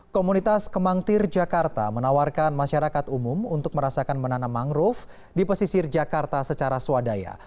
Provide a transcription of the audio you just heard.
komunitas kemangtir jakarta menawarkan masyarakat umum untuk merasakan menanam mangrove di pesisir jakarta secara swadaya